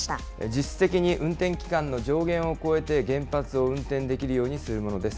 実質的に運転期間の上限を超えて原発を運転できるようにするものです。